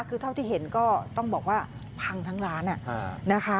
คือเท่าที่เห็นก็ต้องบอกว่าพังทั้งร้านนะคะ